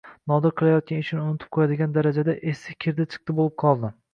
Nodir qilayotgan ishini unutib qo`yadigan darajada esi kirdi-chiqdi bo`lib qoldi